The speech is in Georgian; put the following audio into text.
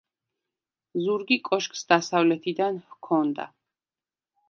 ზურგი კოშკს დასავლეთიდან ჰქონდა.